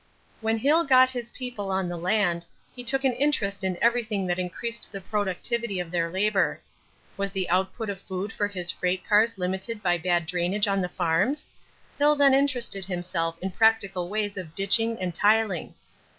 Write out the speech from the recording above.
When Hill got his people on the land, he took an interest in everything that increased the productivity of their labor. Was the output of food for his freight cars limited by bad drainage on the farms? Hill then interested himself in practical ways of ditching and tiling.